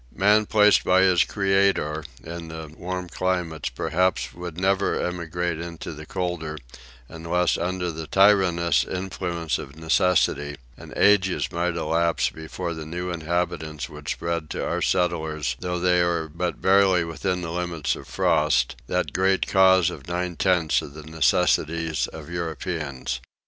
Man placed by his Creator in the warm climates perhaps would never emigrate into the colder unless under the tyrannous influence of necessity; and ages might elapse before the new inhabitants would spread to our settlers though they are but barely within the limits of frost, that great cause of nine tenths of the necessities of Europeans.